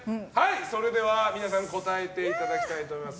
それでは皆さん答えていただきたいと思います。